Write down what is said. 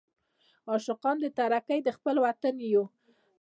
عاشقان د ترقۍ د خپل وطن یو.